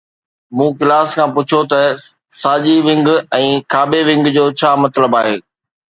مون ڪلاس کان پڇيو ته ساڄي ونگ ۽ کاٻي ونگ جو مطلب ڇا آهي؟